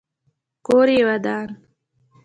کور یې ودان.